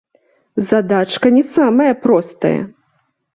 Задачка не самая простая!